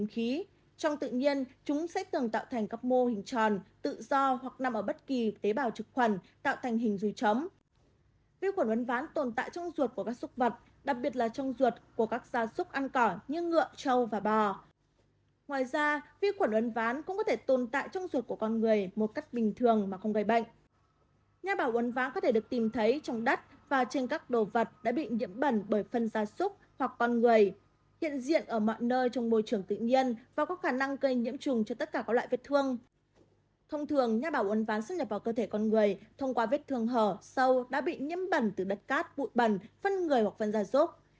thông thường nhà bảo uấn ván xuất nhập vào cơ thể con người thông qua vết thương hở sâu đã bị nhiễm bẩn từ đất cát bụi bẩn phân người hoặc phân gia súc